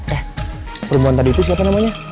eh perempuan tadi itu siapa namanya